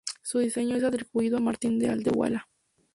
Su diseño está atribuido a Martín de Aldehuela.